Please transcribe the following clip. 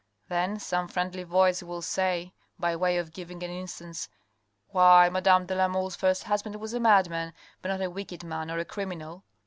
Then some friendly voice will say, by way of giving an instance :' Why, madame de la Mole's first husband was a madman, but not a wicked man or a criminal.